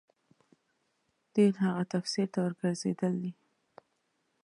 دین هغه تفسیر ته ورګرځېدل دي.